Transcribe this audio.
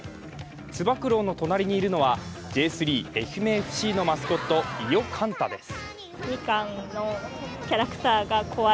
つば九郎の隣にいるのはＪ３愛媛ＦＣのマスコット伊予柑太です。